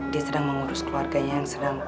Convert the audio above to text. dia sedang mengurus keluarganya yang sedang